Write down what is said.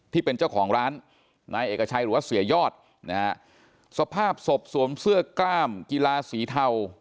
ที่เป็นเจ้าของร้านนายเอกชัยหรือว่าเสียยอดนะฮะสภาพศพสวมเสื้อกล้ามกีฬาสีเทา